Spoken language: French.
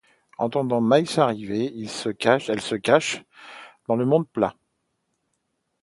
Entendant Mills arriver, elle se cache dans le monte-plat.